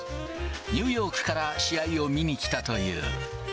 ニューヨークから試合を見に来たという。